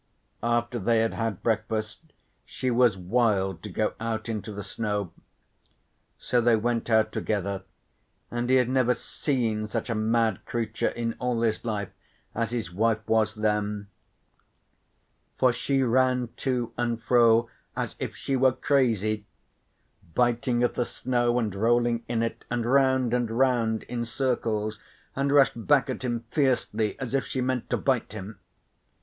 After they had had breakfast she was wild to go out into the snow. So they went out together, and he had never seen such a mad creature in all his life as his wife was then. For she ran to and fro as if she were crazy, biting at the snow and rolling in it, and round and round in circles and rushed back at him fiercely as if she meant to bite him.